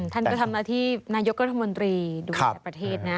ท่านก็ทำหน้าที่นายกรัฐมนตรีดูแลประเทศนะ